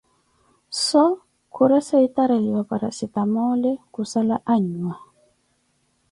Soo khuressetareliwa parasstamole khussala an'nhwa